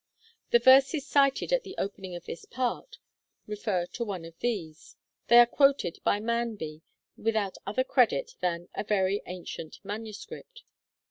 The verses cited at the opening of this Part refer to one of these; they are quoted by Manby without other credit than 'a very antient manuscript.'